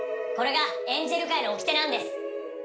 これがエンゼル界のおきてなんです。